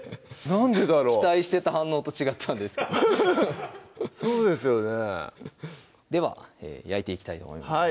なんでだろ期待してた反応と違ったんですそうですよねでは焼いていきたいと思います